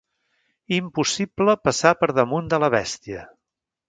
Impossible passar per damunt de la bèstia.